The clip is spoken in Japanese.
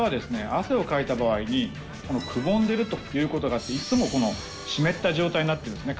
汗をかいた場合にくぼんでるということがあっていつも湿った状態になってるんですね。